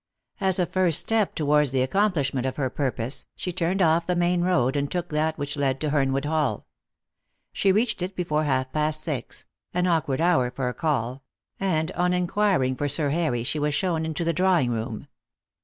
As a first step towards the accomplishment of her purpose, she turned off the main road and took that which led to Hernwood Hall. She reached it before half past six an awkward hour for a call and on inquiring for Sir Harry she was shown into the drawing room.